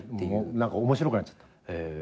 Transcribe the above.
何か面白くなっちゃったの。